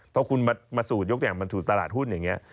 เมื่อคุณมาโสดยกอย่างมาถูกตลาดหุ้นอย่างนี้